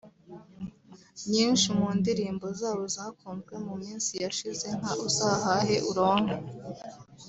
nyinshi mu ndirimbo zabo zakunzwe mu minsi yashize nka ‘Uzahahe uronke’